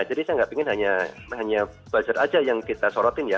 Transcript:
jadi saya tidak ingin hanya buzzer saja yang kita sorotin ya